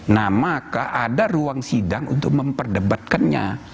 nah maka ada ruang sidang untuk memperdebatkannya